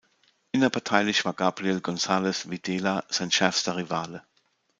Innerparteilich war Gabriel González Videla sein schärfster Rivale.